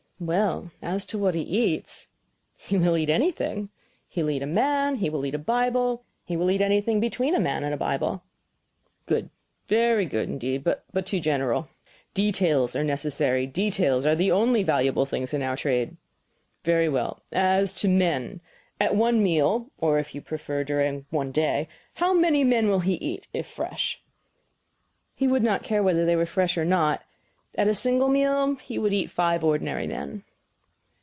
"Well, as to what he eats he will eat anything. He will eat a man, he will eat a Bible he will eat anything between a man and a Bible." "Good very good, indeed, but too general. Details are necessary details are the only valuable things in our trade. Very well as to men. At one meal or, if you prefer, during one day how man men will he eat, if fresh?" "He would not care whether they were fresh or not; at a single meal he would eat five ordinary men."